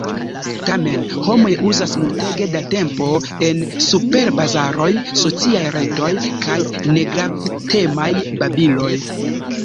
Tamen, homoj uzas multege da tempo en superbazaroj, sociaj retoj, kaj negravtemaj babiloj.